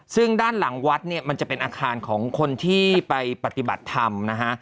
ซึ่งด้านหลังวัดเนี่ยมันจะเป็นอาคารของคนที่ไปปฏิบัติธรรมนะฮะ